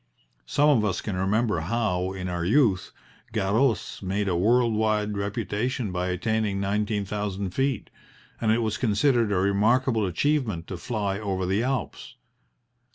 Some of us can remember how, in our youth, Garros made a world wide reputation by attaining nineteen thousand feet, and it was considered a remarkable achievement to fly over the Alps.